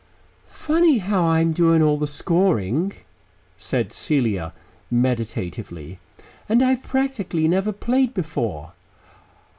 "Funny how I'm doing all the scoring," said Celia meditatively. "And I've practically never played before.